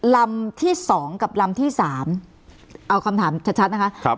ลำที่สองกับลำที่สามเอาคำถามชัดนะคะครับ